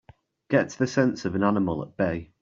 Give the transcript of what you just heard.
Get the sense of an animal at bay!